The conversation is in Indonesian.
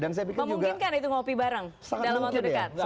memungkinkan itu ngopi bareng dalam waktu dekat